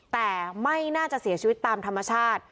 แต่ไม่น่าจะเสียชีวิตตามธรรมชาติ